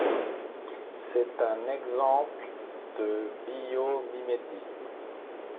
C'est un exemple de biomimétisme.